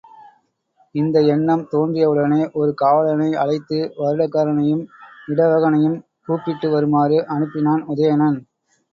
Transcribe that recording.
இந்த எண்ணம் தோன்றியவுடனே ஒரு காவலனை அழைத்து, வருடகாரனையும் இடவகனையும் கூப்பிட்டு வருமாறு அனுப்பினான் உதயணன்.